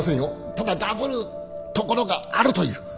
ただダブるところがあるという。